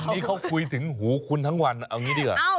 นี่เขาคุยถึงหูคุณทั้งวันเอางี้ดีกว่า